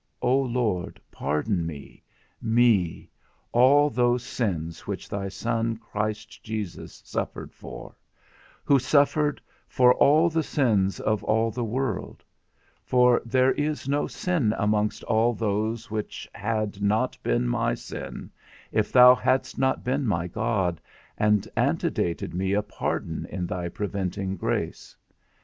O Lord, pardon me, me, all those sins which thy Son Christ Jesus suffered for, who suffered for all the sins of all the world; for there is no sin amongst all those which had not been my sin, if thou hadst not been my God, and antedated me a pardon in thy preventing grace.